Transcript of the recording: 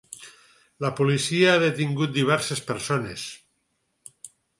La policia ha detingut diverses persones.